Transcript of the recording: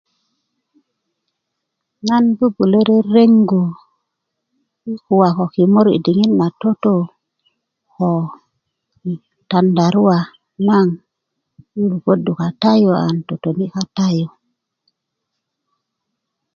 nan bubulö rereŋgu kuwa ko kimur yi diŋit na toto ko tandaruwa naŋ 'an lupödu kata yu ann totoni' kata yu